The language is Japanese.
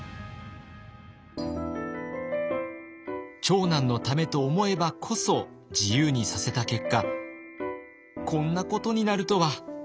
長男のためと思えばこそ自由にさせた結果こんなことになるとは。